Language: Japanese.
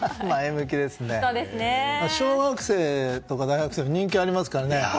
小学生とか、大学生にも人気ありますからね。